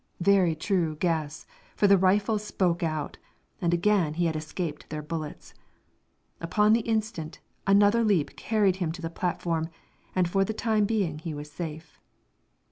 Very true guess, for the rifles spoke out, and again he had escaped their bullets. Upon the instant, another leap carried him to the platform, and for the time being he was safe.